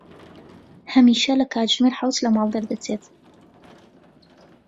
هەمیشە لە کاتژمێر حەوت لە ماڵ دەردەچێت.